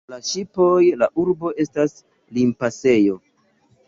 Por la ŝipoj la urbo estas limpasejo.